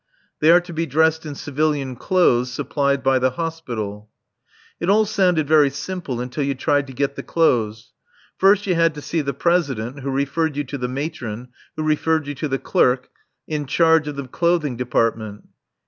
They are to be dressed in civilian clothes supplied by the Hospital. It all sounded very simple until you tried to get the clothes. First you had to see the President, who referred you to the Matron, who referred you to the clerk in charge of the clothing department.